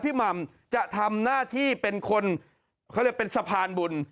หม่ำจะทำหน้าที่เป็นคนเขาเรียกเป็นสะพานบุญ